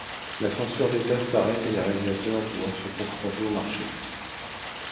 La censure d'État s'arrête et les réalisateurs doivent se confronter au marché.